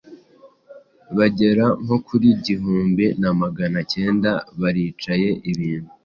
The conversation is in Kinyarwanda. bagera nko kuri igihumbi na Magana acyenda baraciye ibintu